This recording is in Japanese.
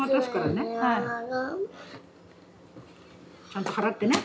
ちゃんと払ってね。